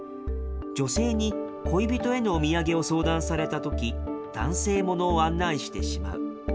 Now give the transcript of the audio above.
女性に恋人へのお土産を相談されたとき、男性ものを案内してしまう。